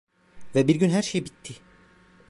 Ve bir gün her şey bitti.